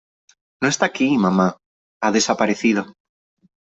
No está aquí , mamá . Ha desaparecido .